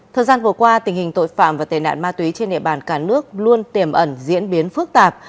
thời gian vừa qua tình hình tội phạm và tề nạn ma túy trên địa bàn cả nước luôn tiềm ẩn diễn biến phức tạp